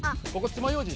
「つまようじ」。